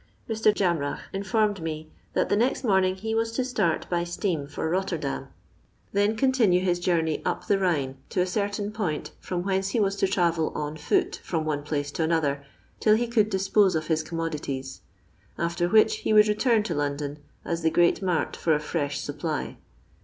Mr. Jamrach informed me that the next morning he was to start by steam for Botterdam, then eontinna his Journey up tke Bliiiia to a esr tain point, from whence lie was to timvel an fool from one place to another, till ha cosld diapoaa «£ his commoditiss ; after which he wonld vetun to London, aa the grsat mart for a fireak anpplj.